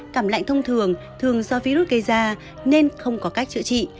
cảm lạnh thông thường thường do virus gây ra nên không có cách chữa trị